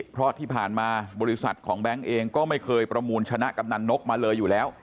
เพราะที่ผ่านมาบริษัทของแบงค์เองก็ไม่เคยประมูลชนะกำนันนกมาเลยอยู่แล้ว